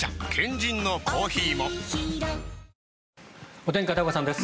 お天気、片岡さんです。